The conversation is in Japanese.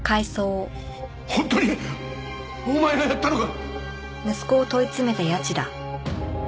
本当にお前がやったのか！？